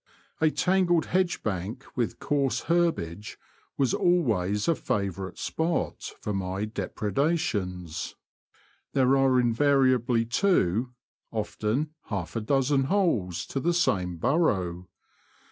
A tangled hedgebank with coarse herbage was alwasy a favourite spot for my depredations. There are invariably two, often half a dozen holes, to the same burrow.